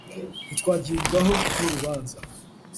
ntitwagibwaho n'urubanza.